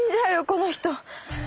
この人。